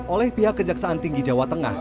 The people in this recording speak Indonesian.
oleh pihak kejaksaan tinggi jawa tengah